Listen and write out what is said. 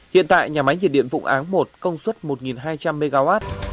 hiện tại nhà máy nhiệt điện vụng áng một công suất một hai trăm linh mw